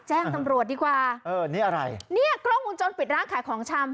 แจ้งตำรวจดีกว่าเออนี่อะไรเนี่ยกล้องวงจรปิดร้านขายของชำ